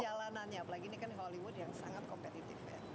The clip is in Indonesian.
perjalanannya apalagi ini kan hollywood yang sangat kompetitif ya